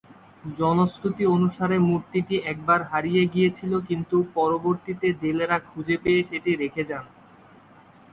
জনশ্রুতি অনুসারে মূর্তিটি একবার হারিয়ে গিয়েছিল কিন্তু পরবর্তিতে জেলেরা খুঁজে পেয়ে সেটি রেখে যান।